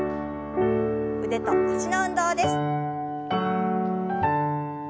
腕と脚の運動です。